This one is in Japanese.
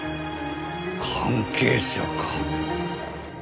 関係者か。